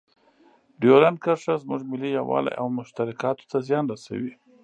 ډیورنډ کرښه زموږ ملي یووالي او مشترکاتو ته زیان رسوي.